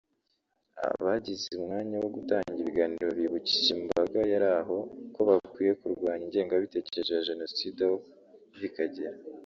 Abagize umwanya wo gutanga ibiganiro bibukije imbaga yari aho ko bakwiye kurwanya ingengabitekerezo ya Jenocide aho iva ikagera